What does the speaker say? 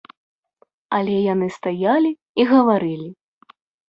Але яны стаялі і гаварылі.